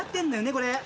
これ。